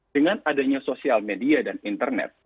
dengan adanya sosial media dan internet